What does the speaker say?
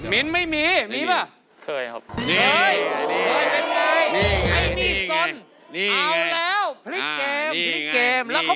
มิ้นท์ไม่มีมิ้นท์เปล่า